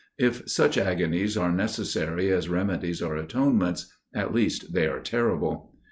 If such agonies are necessary as remedies or atonements, at least they are terrible.